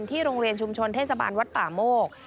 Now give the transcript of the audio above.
โรงเรียนชุมชนเทศบาลวัดป่าโมก